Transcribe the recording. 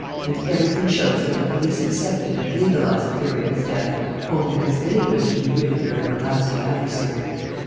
And everything shows that the police accepted and legalized the theory of his death only because they wished to be rid of their everlasting adversary.